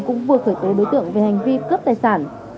cũng vừa khởi tố đối tượng về hành vi cướp tài sản